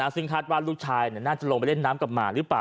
ซึ่งคาดว่าลูกชายน่าจะลงไปเล่นน้ำกับหมาหรือเปล่า